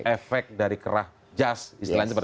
efek dari kerah jas istilahnya